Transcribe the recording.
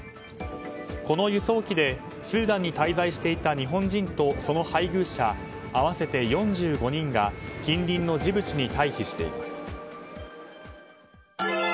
この輸送機でスーダンに滞在していた日本人と、その配偶者合わせて４５人が近隣のジブチに退避しています。